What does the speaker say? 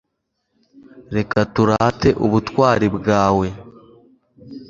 reka turate ubutwari bwawe